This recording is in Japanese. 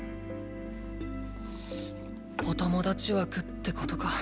お友達枠ってことか。